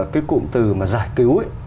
cái cụm từ mà giải cứu